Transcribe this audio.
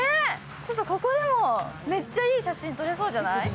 ここでもめっちゃいい写真撮れそうじゃない？